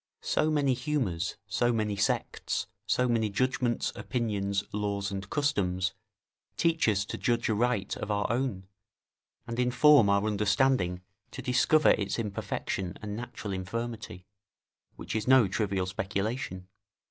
So many humours, so many sects, so many judgments, opinions, laws, and customs, teach us to judge aright of our own, and inform our understanding to discover its imperfection and natural infirmity, which is no trivial speculation.